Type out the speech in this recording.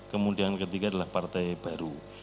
kemudian ketiga adalah partai baru